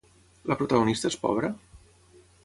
La protagonista és pobra?